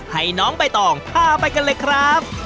ให้น้องใบตองพาไปกันเลยครับ